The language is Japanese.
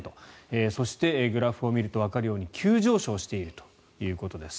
そしてグラフを見るとわかるように急上昇しているということです。